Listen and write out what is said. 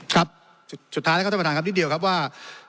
ครับสุดท้ายนะครับท่านประธานครับนิดเดียวครับว่า